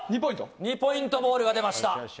２ポイントボールが出ました。